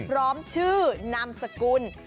ร้องชื่อนามสกิน